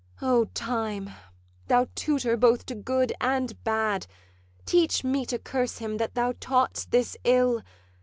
'O Time, thou tutor both to good and bad, Teach me to curse him that thou taught'st this ill!